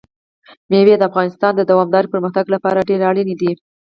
مېوې د افغانستان د دوامداره پرمختګ لپاره ډېر اړین دي.